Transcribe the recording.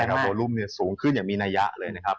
ใช่ครับโวลุมสูงขึ้นอย่างมีนายะเลยนะครับ